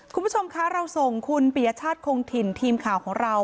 คุณผู้ชมคะเราส่งคุณปียชาติคงถิ่นทีมข่าวของเรา